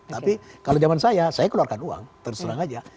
tapi kalau zaman saya saya keluarkan uang terus terang aja